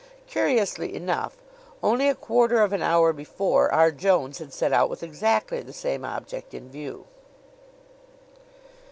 Curiously enough, only a quarter of an hour before, R. Jones had set out with exactly the same object in view.